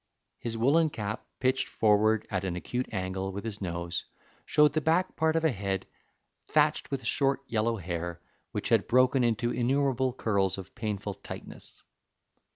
His woolen cap, pitched forward at an acute angle with his nose, showed the back part of a head thatched with short yellow hair, which had broken into innumerable curls of painful tightness.